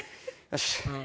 よし。